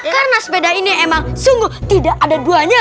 karena sepeda ini emang sungguh tidak ada duanya